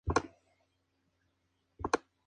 Sin embargo, no logró la paz.